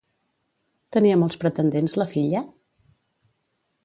Tenia molts pretendents la filla?